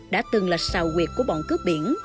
đã từng là xào huyệt của bọn cướp biển